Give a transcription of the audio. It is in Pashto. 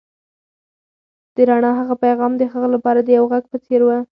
د رڼا هغه پيغام د هغه لپاره د یو غږ په څېر و.